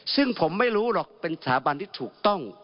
ซึ่งผมไม่รู้หรอกเป็นสถาบันที่ถูกต้อง